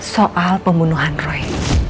soal pembunuhan roy